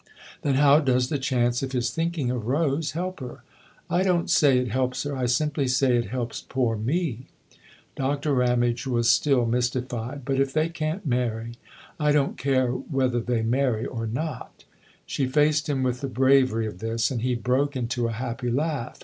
"Then how does the chance of his thinking of Rose help her ?"" I don't say it helps her. I simply say it helps poor me." Doctor Ramage was still mystified. " But if they can't marry ?"" I don't care whether they marry or not !" She faced him with the bravery of this, and he broke into a happy laugh.